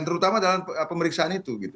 terutama dalam pemeriksaan itu